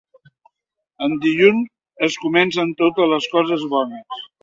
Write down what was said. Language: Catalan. En dilluns es comencen totes les coses bones.